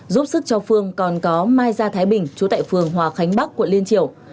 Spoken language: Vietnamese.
giúp sức cho phương còn có mai gia thái bình chú tại phường hòa khánh bắc quận liên triều